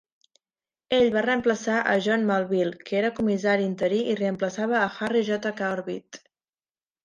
Ell va reemplaçar a John Melville, qui era comissari interí i reemplaçava a Harry J. Corbitt.